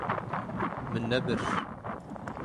Min nebir.